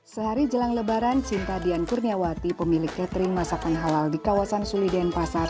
sehari jelang lebaran cinta dian kurniawati pemilik catering masakan halal di kawasan suliden pasar